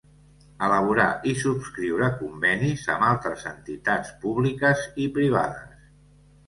Elaborar i subscriure convenis amb altres entitats públiques i privades.